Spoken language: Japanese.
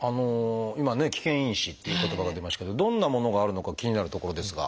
今ね「危険因子」っていう言葉が出ましたけどどんなものがあるのか気になるところですが。